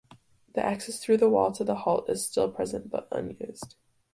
The access through the wall to the halt is still present but unused.